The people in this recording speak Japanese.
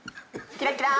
キラキラ！